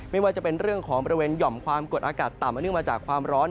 ไม่ว่าจะเป็นเรื่องของบริเวณหย่อมความกดอากาศต่ำอันเนื่องมาจากความร้อน